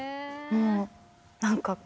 もう何か。